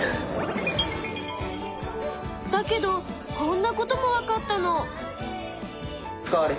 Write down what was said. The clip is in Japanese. だけどこんなこともわかったの。